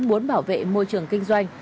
muốn bảo vệ môi trường kinh doanh